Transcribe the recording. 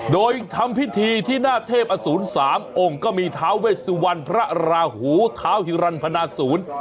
โดยทำพิธีที่หน้าเทพอสูร๓องค์ก็มีท้าเวสวรรณพระราหูท้าวฮิรันพนาศูนย์